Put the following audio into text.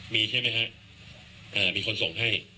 มีใช่ไหมครับมีคนส่งให้